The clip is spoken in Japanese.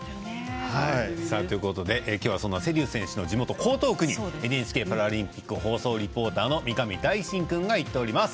ということできょうは、そんな瀬立選手の地元・江東区にＮＨＫパラリンピック放送リポーターの三上大進君が行っております。